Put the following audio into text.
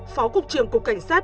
phó cục trưởng cục cảnh sát